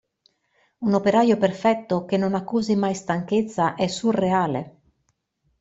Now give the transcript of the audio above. Un operaio perfetto che non accusi mai stanchezza è surreale.